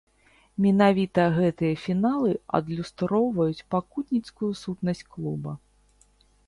Менавіта гэтыя фіналы адлюстроўваюць пакутніцкую сутнасць клуба.